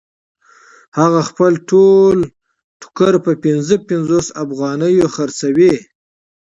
هغه خپل ټول ټوکر په پنځه پنځوس افغانیو پلوري